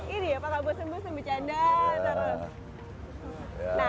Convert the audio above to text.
ini ya pakak bosan bosan bercanda